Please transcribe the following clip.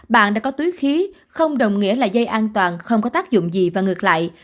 bạn đã có túi khí không đồng nghĩa là dây an toàn không có tác dụng gì và ngược lại